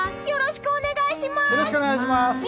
よろしくお願いします！